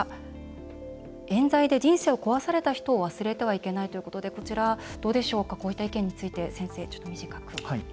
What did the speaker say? えん罪で人生を壊された人を忘れてはいけないということでこちら、どうでしょうかこういった意見について、先生。